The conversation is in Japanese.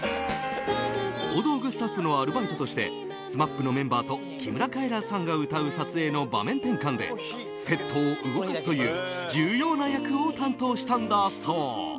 大道具スタッフのアルバイトとしてＳＭＡＰのメンバーと木村カエラさんが歌う撮影の場面転換でセットを動かすという重要な役を担当したんだそう。